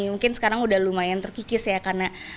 mungkin sekarang udah lumayan terkikis ya karena